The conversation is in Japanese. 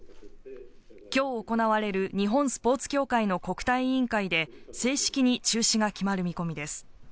今日行われる日本スポーツ協会の国対委員会で、正式に中止が決まる見込みです。